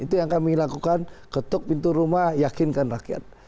itu yang kami lakukan ketuk pintu rumah yakinkan rakyat